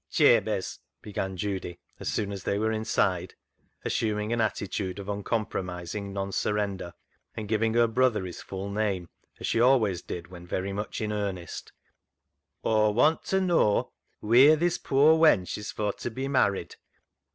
" Jabez," began Judy, as soon as they were inside, assuming an attitude of uncompromising non surrender, and giving her brother his full name, as she always did when very much in earnest, " Aw want to knaw wheer this poor wench is for t' be married